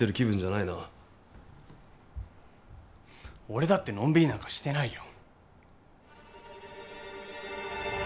俺だってのんびりなんかしてないよ。